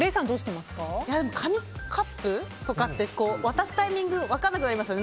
紙コップとかって渡すタイミング分からなくなりますよね。